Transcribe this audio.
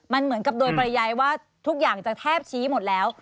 มันเหมือนกับโดยประยายว่าทุกอย่างจะแทบชี้หมดแล้ว